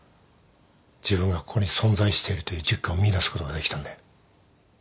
自分がここに存在しているという実感を見いだすことができたんだよ。